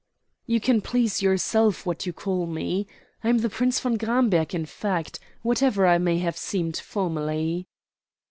"You can please yourself what you call me. I am the Prince von Gramberg in fact, whatever I may have seemed formerly."